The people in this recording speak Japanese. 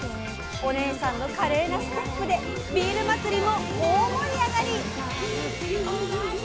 おねえさんの華麗なステップでビール祭りも大盛り上がり。